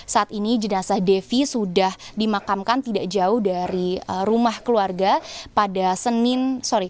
saat ini jenazah devi sudah dimakamkan tidak jauh dari rumah keluarga pada senin sore